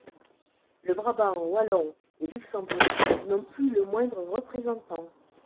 Le Brabant wallon, et Luxembourg n'ont plus le moindre représentant.